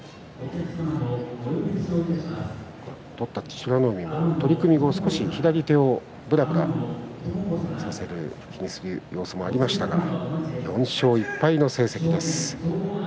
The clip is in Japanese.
取った美ノ海も取組後左手をぶらぶらさせる様子も見えましたが４勝１敗の成績です。